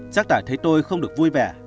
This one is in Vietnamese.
chắc đã thấy tôi không được vui vẻ